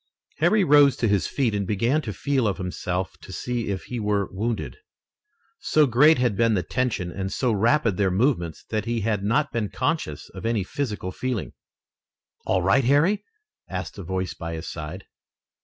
Harry rose to his feet and began to feel of himself to see if he were wounded. So great had been the tension and so rapid their movements that he had not been conscious of any physical feeling. "All right, Harry?" asked a voice by his side.